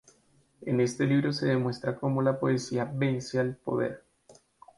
En este libro se demuestra cómo la Poesía vence al Poder.